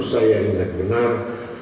saya ingat benar